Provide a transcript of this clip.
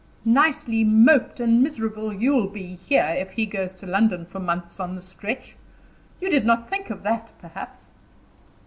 Nicely moped and miserable you'll be here, if he goes to London for months on the stretch. You did not think of that, perhaps."